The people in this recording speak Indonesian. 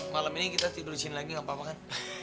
malam ini kita tidur di sini lagi gak apa apa kan